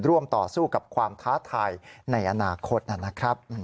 ต่อสู้กับความท้าทายในอนาคตนะครับ